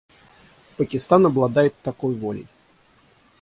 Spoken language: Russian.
Пакистан обладает такой волей.